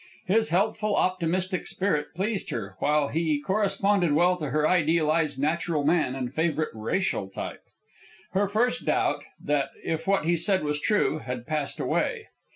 His healthful, optimistic spirit pleased her, while he corresponded well to her idealized natural man and favorite racial type. Her first doubt that if what he said was true had passed away.